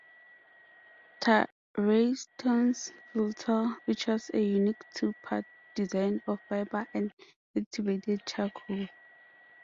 Tareyton's filter features a unique two-part design of fiber and activated charcoal.